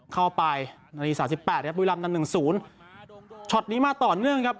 เข้าไปนาทีสามสิบแปดครับบุรีรำนำหนึ่งศูนย์ช็อตนี้มาต่อเนื่องครับ